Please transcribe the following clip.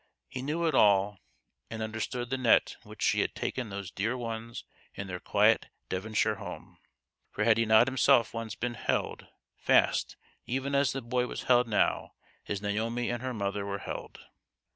He knew it all, and understood the net in which she had taken those dear ones in their quiet Devonshire home ; for had he not himself once been held fast even as the boy was held now as Naomi and her mother were held